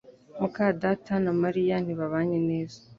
muka data na Mariya ntibabanye neza